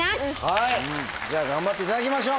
じゃあ頑張っていただきましょう！